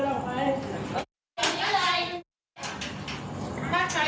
อย่าให้มันเดินเข้ามาอย่างนี้